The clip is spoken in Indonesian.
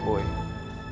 tapi gue yakin banget